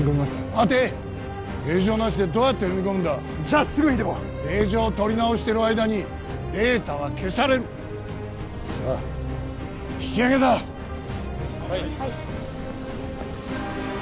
待て令状なしでどうやって踏み込むんだじゃあすぐにでも令状を取り直してる間にデータは消されるさあ引き揚げだはい